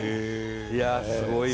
いやすごいわ。